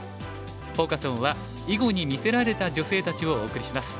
フォーカス・オンは「囲碁に魅せられた女性たち」をお送りします。